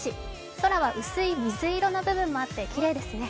空は薄い水色の部分もあってきれいですね。